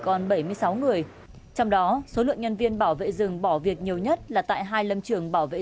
còn bảy mươi sáu người trong đó số lượng nhân viên bảo vệ rừng bỏ việc nhiều nhất là tại hai lâm trường bảo vệ